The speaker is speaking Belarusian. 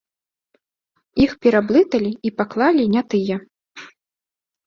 Іх пераблыталі, і паклалі не тыя.